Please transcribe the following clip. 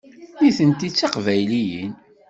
Nitenti d Tiqbayliyin.